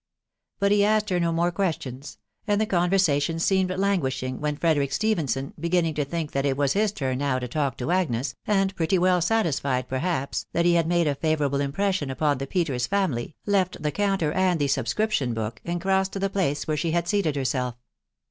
But he asked her no more questions ; and the conversation seemed languishing, when Frederick Stephenson, beginning to think that it was hia turn now to talk to Agnes, and pretty well satisfied, perhaps, that he had made a favourable impression upon the Peters family, left the counter and the subscription book, and crossed to the place, where she had seated herself.